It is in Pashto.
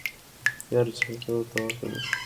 یاره چی بیخی ورته ورته دی